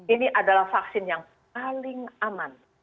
ini adalah vaksin yang paling aman